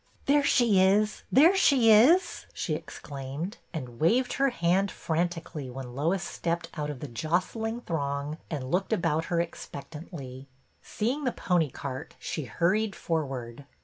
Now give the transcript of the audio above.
There she is, there she is !" she exclaimed, and waved her hand frantically when Lois stepped out of the jostling throng and looked about her ■expectantly. Seeing the pony cart, she hurried forward.